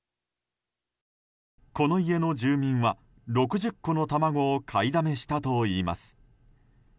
この家の住民は６０個の卵を買いだめしたといいます。